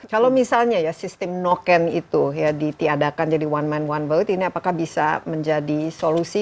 kalau misalnya ya sistem noken itu ya ditiadakan jadi one man one vote ini apakah bisa menjadi solusi